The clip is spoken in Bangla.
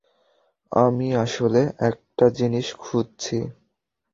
আমি আসলে একটা জিনিস খুঁজছি।